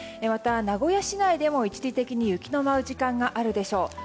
また、名古屋市内でも一時的に雪の降る時間があるでしょう。